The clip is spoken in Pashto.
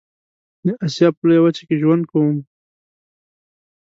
د آسيا په لويه وچه کې ژوند کوم.